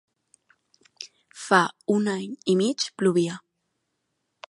Fa un any i mig plovia.